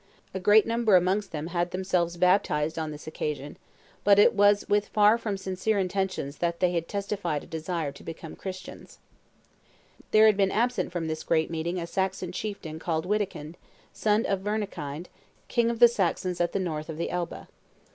A great number amongst them had themselves baptized on this occasion; but it was with far from sincere intentions that they had testified a desire to become Christians." [Illustration: Charlemagne inflicting Baptism upon the Saxons 215] There had been absent from this great meeting a Saxon chieftain called Wittikind, son of Wernekind, king of the Saxons at the north of the Elbe.